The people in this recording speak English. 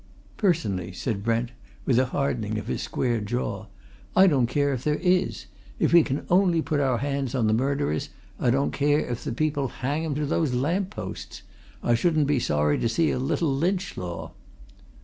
"Personally," said Brent, with a hardening of his square jaw, "I don't care if there is! If we can only put our hands on the murderers, I don't care if the people hang 'em to those lamp posts! I shouldn't be sorry to see a little lynch law!"